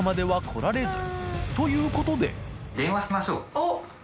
おっ。